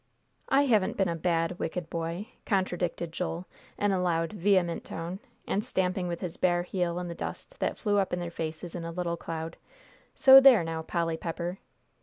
"I haven't been a bad, wicked boy," contradicted Joel, in a loud, vehement tone, and stamping with his bare heel in the dust that flew up in their faces in a little cloud, "so there now, Polly Pepper!"